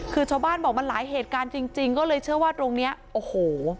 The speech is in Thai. คือชาวบ้านบอกมันหลายเหตุการณ์จริงจริงก็เลยเชื่อว่าตรงเนี้ยโอ้โห